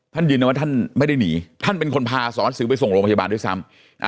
ยืนยันว่าท่านไม่ได้หนีท่านเป็นคนพาสอนสิวไปส่งโรงพยาบาลด้วยซ้ำ